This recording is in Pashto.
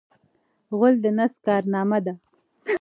غول د نس کارنامه ده.